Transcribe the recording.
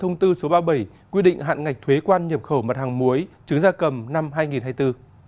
thông tư số ba mươi bảy quy định hạn ngạch thuê quan nhập khẩu mặt hàng muối chứng gia cầm năm hai nghìn hai mươi bốn